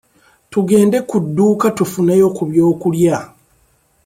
Tugende ku dduuka tufuneyo ku byokulya.